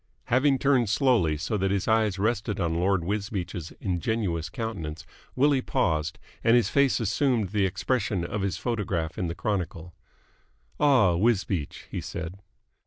Having turned slowly so that his eyes rested on Lord Wisbeach's ingenuous countenance, Willie paused, and his face assumed the expression of his photograph in the Chronicle. "Ah, Wisbeach!" he said.